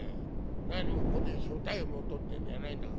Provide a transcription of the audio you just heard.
なにもここで所帯を持とうっていうんじゃないんだから。